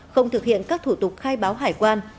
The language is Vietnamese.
không thực hiện các thủ tục khai báo hải quan